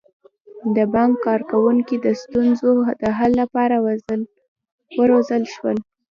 د بانک کارکوونکي د ستونزو د حل لپاره روزل شوي.